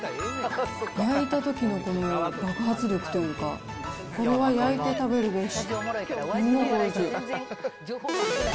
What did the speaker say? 焼いたときのこの爆発力というか、これは焼いて食べるべし。